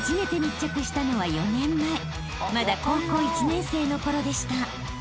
［まだ高校１年生の頃でした］